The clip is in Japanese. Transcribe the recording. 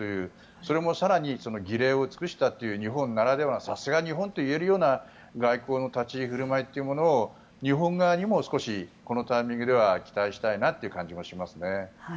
それも更に儀礼を尽くしたというさすが日本といわれるぐらいの外交の立ち居振る舞いというのを日本側にもこのタイミングで期待したいなという感じもします。